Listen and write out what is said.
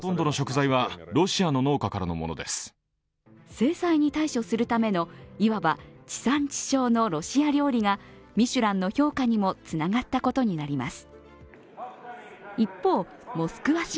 制裁に対処するためのいわば地産地消のロシア料理がミシュランの評価にもつながったことになります。